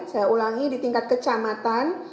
saya ulangi di tingkat kecamatan